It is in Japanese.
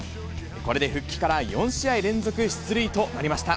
これで復帰から４試合連続出塁となりました。